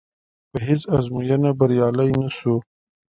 په هېڅ ازموینه بریالی نه شو.